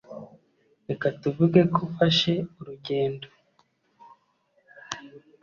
Reka tuvuge ko ufashe urugendo